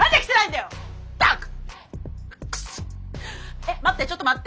えっ待ってちょっと待って？